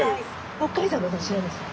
北海道のどちらですか？